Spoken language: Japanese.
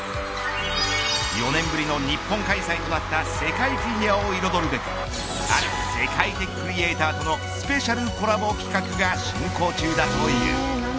４年ぶりの日本開催となった世界フィギュアを彩るべくある世界的クリエイターとのスペシャルコラボ企画が進行中だという。